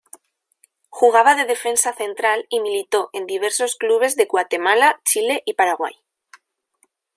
Jugaba de defensa central y militó en diversos clubes de Guatemala, Chile y Paraguay.